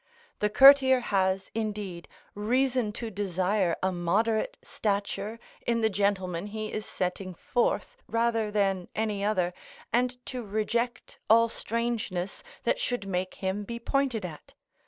The Courtier has, indeed, reason to desire a moderate stature in the gentlemen he is setting forth, rather than any other, and to reject all strangeness that should make him be pointed at.